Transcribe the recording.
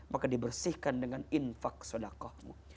maka dibersihkan dengan infak sodakohmu